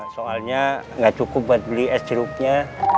soalnya nggak cukup buat beli es jeruknya